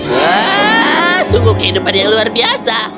wah sungguh kehidupannya luar biasa